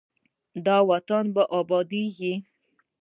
دا وطن به ابادیږي.